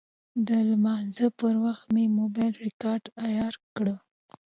د لمانځه پر وخت مې موبایل ریکاډر عیار کړ.